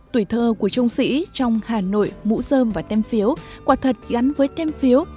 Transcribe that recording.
tuổi thơ của trung sĩ trong hà nội mũ dơm và tem phiếu quả thật gắn với tem phiếu